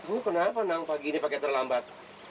oh kenapa neng pagi ini pakai terlambat